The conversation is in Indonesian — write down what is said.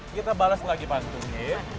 kita balas lagi pantun ya